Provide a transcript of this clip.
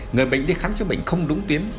người bệnh đi khám chữa bệnh không đúng tuyến